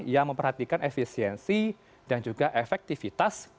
yang memperhatikan efisiensi dan juga efektivitas